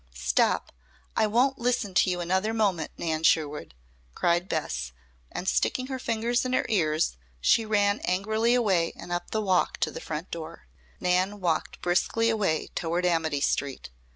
"Stop! I won't listen to you another moment, Nan Sherwood!" cried Bess, and sticking her fingers in her ears, she ran angrily away and up the walk to the front door. Nan walked briskly away toward Amity Street.